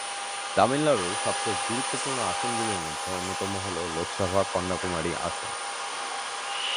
তামিলনাড়ুর সবচেয়ে গুরুত্বপূর্ণ আসনগুলির মধ্যে অন্যতম হল লোকসভা কন্যাকুমারী আসন।